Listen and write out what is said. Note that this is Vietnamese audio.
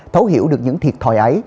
thấu hiểu được những thiệt thòi ấy